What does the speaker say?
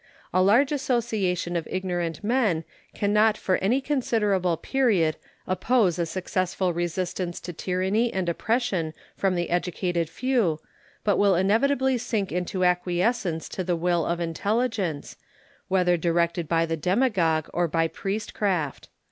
A large association of ignorant men can not for any considerable period oppose a successful resistance to tyranny and oppression from the educated few, but will inevitably sink into acquiescence to the will of intelligence, whether directed by the demagogue or by priestcraft.